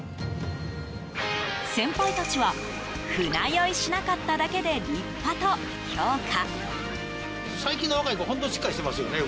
先輩たちは船酔いしなかっただけで立派と評価。